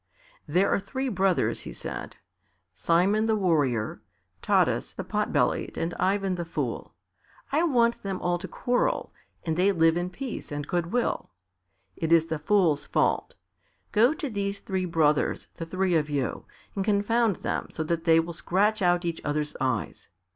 "There are three brothers," he said, "Simon the Warrior, Taras the Pot bellied, and Ivan the Fool. I want them all to quarrel and they live in peace and goodwill. It is the Fool's fault. Go to these three brothers, the three of you, and confound them so that they will scratch out each others' eyes.